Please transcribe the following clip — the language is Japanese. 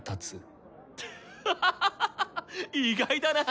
意外だな。